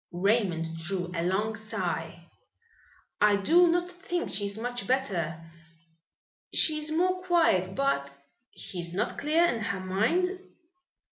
Raymond drew a long sigh. "I do not think she is much better. She is more quiet, but " "She is not clear in her mind?"